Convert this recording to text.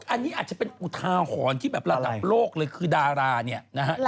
อันนี้อาจจะเป็นอุทาหรณ์ที่แบบระดับโลกเลยคือดาราเนี่ยนะฮะ